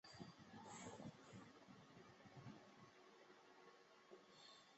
巴德菲辛格是德国巴伐利亚州的一个市镇。